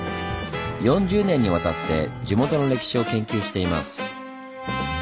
４０年にわたって地元の歴史を研究しています。